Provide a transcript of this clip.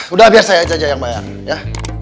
udah biar saya aja yang bayang ya